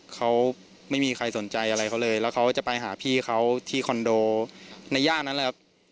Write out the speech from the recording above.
เขาไม่มีใครสนใจอะไรเขาเลยแล้วเขาจะไปหาพี่เขาที่คอนโดในย่านนั้นแหละครับ